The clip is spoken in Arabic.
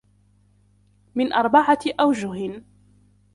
مِنْ أَرْبَعَةِ أَوْجُهٍ